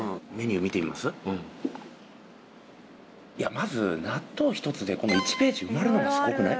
まず納豆ひとつでこの１ページ埋まるのがすごくない？